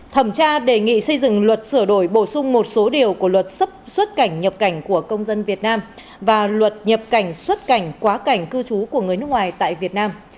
thẩm tra đề nghị xây dựng luật sửa đổi bổ sung một số điều của luật xuất cảnh nhập cảnh của công dân việt nam và luật nhập cảnh xuất cảnh quá cảnh cư trú của người nước ngoài tại việt nam